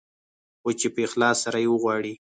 خو چې په اخلاص سره يې وغواړې.